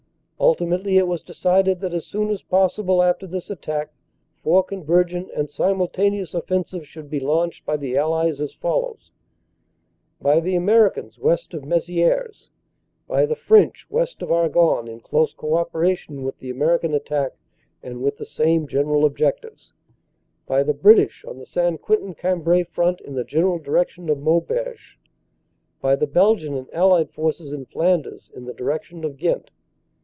Ultimately, it was decided that as soon as possible after this attack four con vergent and simultaneous offensives should be launched by the Allies as follows : "By the Americans west of Mezieres; "By the French west of Argonne in close co operation with the American attack and with the same general objectives; "By the British on the St. Quentin Cambrai front in the general direction of Maubeuge; "By the Belgian and Allied forces in Flanders in the direc tion of Ghent.